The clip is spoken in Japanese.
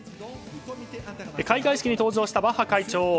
開会式に登場したバッハ会長。